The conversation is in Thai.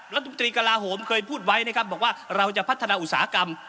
รัฐมนตรีกระลาโหมเคยพูดไว้นะครับบอกว่าเราจะพัฒนาอุตสาหกรรม